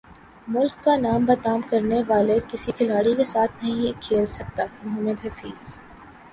ملک کا نام بدنام کرنے والے کسی کھلاڑی کے ساتھ نہیں کھیل سکتا محمد حفیظ